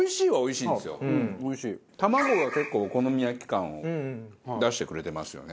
卵が結構お好み焼き感を出してくれてますよね。